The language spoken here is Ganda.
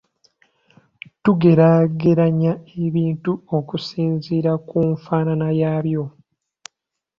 Tugeraageranya ebintu okusinziira ku nfaanana yaabyo.